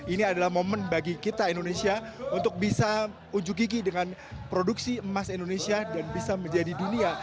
ini adalah momen bagi kita indonesia untuk bisa unjuk gigi dengan produksi emas indonesia dan bisa menjadi dunia